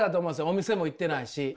お店も行ってないし。